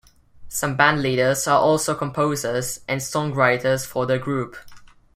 Some bandleaders are also composers and songwriters for their group.